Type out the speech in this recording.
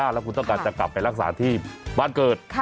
แล้วคุณต้องการจะกลับไปรักษาที่บ้านเกิด